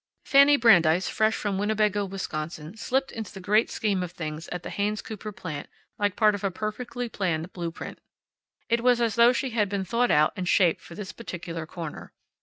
Fanny Brandeis, fresh from Winnebago, Wisconsin, slipped into the great scheme of things at the Haynes Cooper plant like part of a perfectly planned blue print. It was as though she had been thought out and shaped for this particular corner.